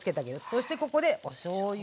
そしてここでおしょうゆ。